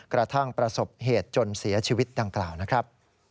ประสบเหตุจนเสียชีวิตดังกล่าวนะครับ